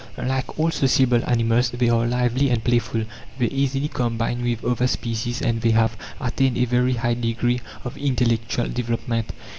Like all sociable animals, they are lively and playful, they easily combine with other species, and they have attained a very high degree of intellectual development.